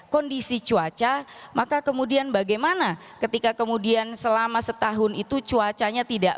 kondisi cuaca maka kemudian bagaimana ketika kemudian selama setahun itu cuacanya tidak